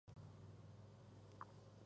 Mantenía desde siempre amistad con Igor.